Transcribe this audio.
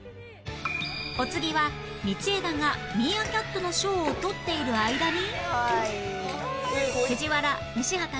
お次は道枝がミーアキャットのショーを撮っている間に